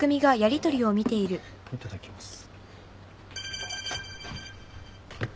いただきます。